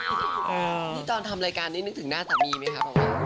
นี่ตอนทำรายการนี้นึกถึงหน้าสามีไหมคะบอกว่า